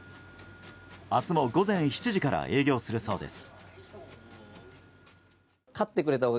明日も午前７時から営業するそうです。